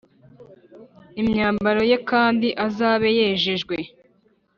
Imyambaro ye kandi azabe yejejwe